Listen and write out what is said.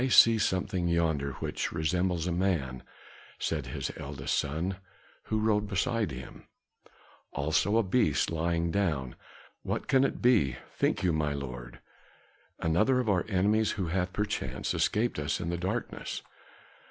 "I see something yonder which resembles a man," said his eldest son, who rode beside him. "Also a beast, lying down. What can it be, think you, my lord? Another of our enemies who hath perchance escaped us in the darkness?"